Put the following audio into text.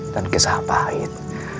dan kisah pahit